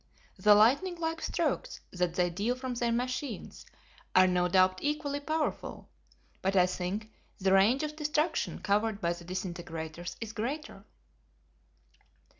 The lightning like strokes that they deal from their machines are no doubt equally powerful, but I think the range of destruction covered by the disintegrators is greater."